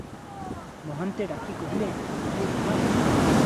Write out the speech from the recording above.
ମହନ୍ତେ ଡାକି କହିଲେ, "ଆରେ ଭୀମା!